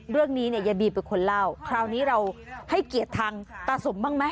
เรื่องนี้เนี่ยยายบีเป็นคนเล่าคราวนี้เราให้เกียรติทางตาสมบ้างไหม